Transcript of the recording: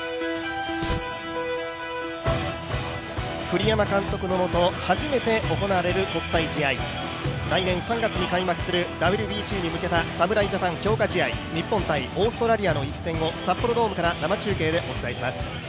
栗山監督のもと、初めて行われる国際試合、来年３月に開幕するＷＢＣに向けた侍ジャパン強化試合、日本×オーストラリアの試合を一戦を札幌ドームから生中継でお伝えします。